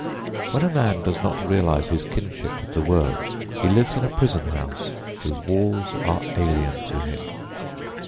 When a man does not realise his kinship with the world, he lives in a prison house whose walls are alien to him.